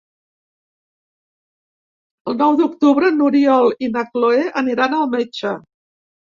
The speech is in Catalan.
El nou d'octubre n'Oriol i na Cloè aniran al metge.